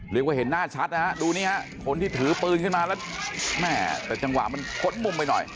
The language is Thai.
เห็นหน้าชัดนะฮะดูนี่ฮะคนที่ถือปืนขึ้นมาแล้วแม่แต่จังหวะมันค้นมุมไปหน่อย